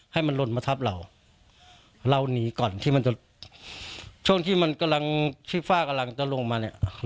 ให้มันลนมาทับเราเราหนีก่อนที่มันจะช่วงที่มันกำลังที่ฝ้ากำลังจะลงมาเนี่ย